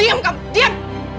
diam kamu diam